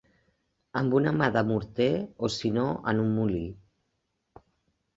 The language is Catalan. Amb una mà de morter o si no en un molí.